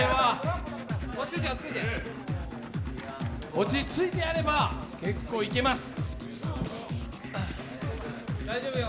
落ち着いてやれば結構いけます。